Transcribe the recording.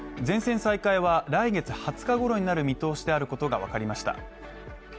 全線再開は来月２０日ごろになる見通しであることが分かりました。